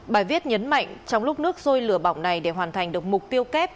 bài viết nhấn mạnh trong lúc nước sôi lửa bỏng này để hoàn thành được mục tiêu kép